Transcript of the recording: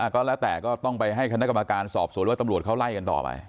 ก็แล้วแต่ก็ต้องไปให้คณะกรรมการสอบสวนหรือว่าตำรวจเขาไล่กันต่อไป